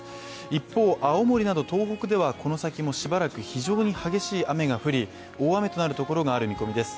一方、青森など東北ではこの先もしばらく、非常に激しい雨が降り大雨となるところがある見込みです。